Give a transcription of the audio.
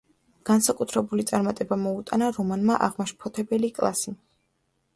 განსაკუთრებული წარმატება მოუტანა რომანმა „აღმაშფოთებელი კლასი“.